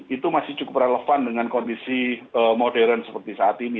itu masih cukup relevan dengan kondisi modern seperti saat ini